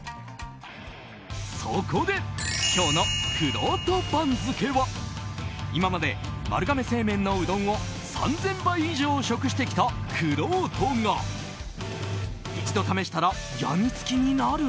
そこで今日のくろうと番付は今まで丸亀製麺のうどんを３０００杯以上食してきたくろうとが一度試したら病みつきになる？